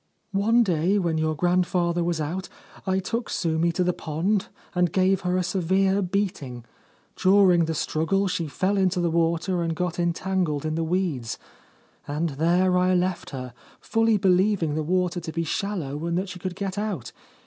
One day when your grandfather was out I took Sumi to the pond and gave her a severe beating. During the struggle she fell into the water and got entangled in the weeds ; and there I left her, fully believing the water to be shallow and that she could get out.